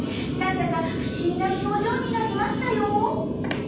なんだかふしぎな表情になりましたよ。